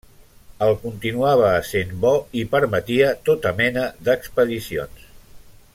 El continuava essent bo i permetia tota mena d'expedicions.